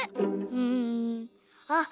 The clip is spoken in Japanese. うんあっ